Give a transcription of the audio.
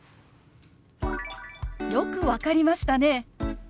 「よく分かりましたね！」。